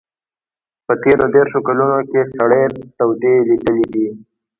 په تېرو دېرشو کلونو کې سړې تودې لیدلي دي.